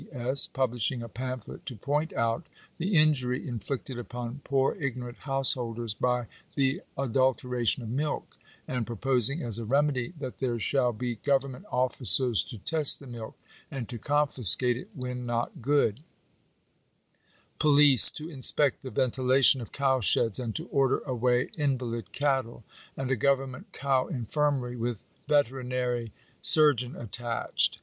C.S., publishing a pamphlet to point out the injury inflicted upon poor ignorant householders by the adulteration of milk, and proposing as a remedy that there shall be government officers to test the milk, and to con fiscate it when not good — police to inspect the ventilation of cow sheds, and to order away invalid cattle — and a government cow infirmary, with veterinary surgeon attached.